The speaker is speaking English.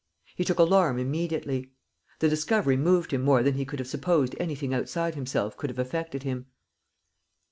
He took alarm immediately. The discovery moved him more than he could have supposed anything outside himself could have affected him.